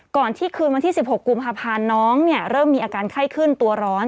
ก่อนที่คืนวันที่๑๖กุมภาพันธ์น้องเริ่มมีอาการไข้ขึ้นตัวร้อน